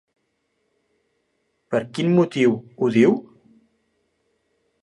Per quin motiu ho diu?